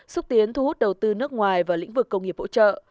xúc tiến thu hút đầu tư nước ngoài vào lĩnh vực công nghiệp hỗ trợ